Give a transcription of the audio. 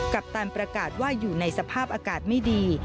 ปัปตันประกาศว่าอยู่ในสภาพอากาศไม่ดี